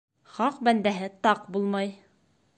Хаҡ бәндәһе таҡ булмай.